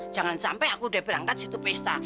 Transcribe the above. jangan sampai aku udah berangkat situ pesta